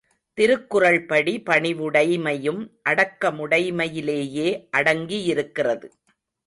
திருக்குறள் படி பணிவுடைமையும் அடக்கமுடைமையிலேயே அடங்கியிருக்கிறது.